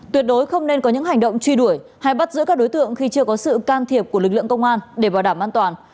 tuyệt đối không nên có những hành động truy đuổi hay bắt giữ các đối tượng khi chưa có sự can thiệp của lực lượng công an để bảo đảm an toàn